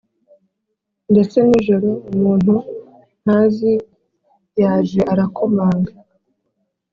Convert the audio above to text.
Ndetse nijoro umuntu ntazi yaje arakomanga